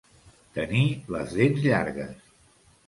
Tenir les dents llargues.